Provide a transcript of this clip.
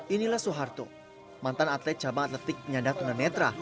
inilah soeharto mantan atlet cabang atletik penyandang tunanetra